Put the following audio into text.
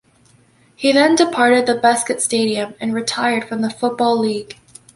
He then departed the Bescot Stadium and retired from the Football League.